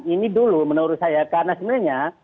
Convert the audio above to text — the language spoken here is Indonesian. ini dulu menurut saya karena sebenarnya